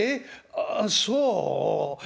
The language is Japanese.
あっそう。